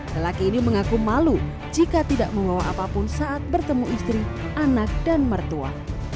lelaki ini mengaku malu jika tidak membawa apapun saat bertemu istri anak dan mertua